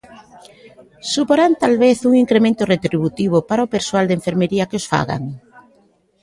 ¿Suporán talvez un incremento retributivo para o persoal de enfermería que os fagan?